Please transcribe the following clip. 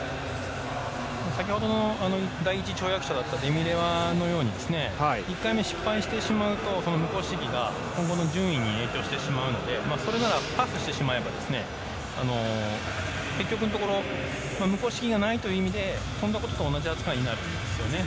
先ほどの第１跳躍者だったデミレワは２回目失敗してしまうと無効試技が今後の順位に影響してしまうのでそれなら、パスしてしまえば結局のところ無効試技がないという意味で跳んだことと同じ扱いになるんですよね。